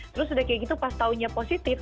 terus udah kayak gitu pas taunya positif